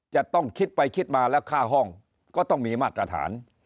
จะต้องคิดไปคิดมาแล้วค่าห้องก็ต้องมีมาตรฐาน